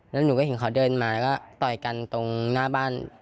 แล้วหนูก็เห็นเขาเดินมาก็ต่อยกันตรงหน้าบ้าน